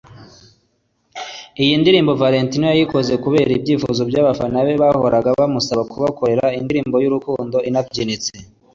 Iyi ndirimbo Valentino yayikoze kubera ibyifuzo by’abafana be bahoraga bamusaba kubakorera indirimbo y’urukundo inabyinitse